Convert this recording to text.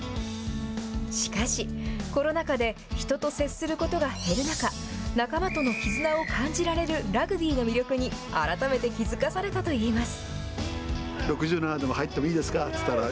しかし、コロナ禍で人と接することが減る中、仲間との絆を感じられるラグビーの魅力に改めて気付かされたといいます。